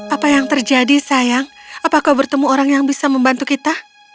apa yang terjadi sayang apakah bertemu orang yang bisa membantu kita